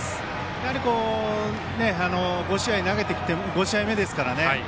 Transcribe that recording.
やはり、５試合投げてきて５試合目ですからね